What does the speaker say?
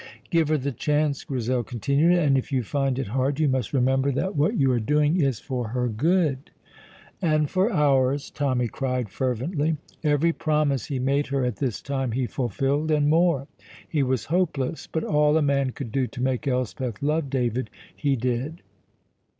"Give her the chance," Grizel continued, "and if you find it hard, you must remember that what you are doing is for her good." "And for ours," Tommy cried fervently. Every promise he made her at this time he fulfilled, and more; he was hopeless, but all a man could do to make Elspeth love David he did.